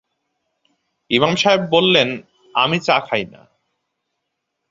ইমাম সাহেব বললেন, আমি চা খাই না।